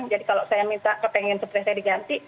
jadi kalau saya minta kepengen sepre saya diganti